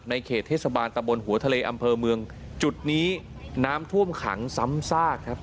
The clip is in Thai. เขตเทศบาลตะบนหัวทะเลอำเภอเมืองจุดนี้น้ำท่วมขังซ้ำซากครับ